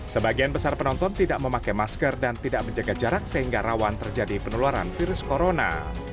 sebagian besar penonton tidak memakai masker dan tidak menjaga jarak sehingga rawan terjadi penularan virus corona